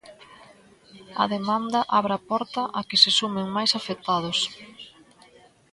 A demanda abre a porta a que se sumen máis afectados.